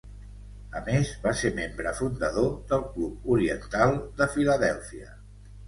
A més, va ser membre fundador del Club Oriental de Filadèlfia.